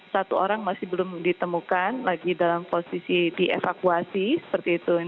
satu orang masih belum ditemukan lagi dalam posisi dievakuasi seperti itu